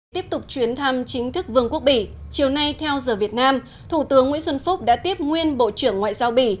tiếp tục chuyến thăm chính thức vương quốc bỉ chiều nay theo giờ việt nam thủ tướng nguyễn xuân phúc đã tiếp nguyên bộ trưởng ngoại giao bỉ